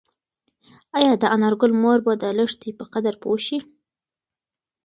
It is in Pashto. ایا د انارګل مور به د لښتې په قدر پوه شي؟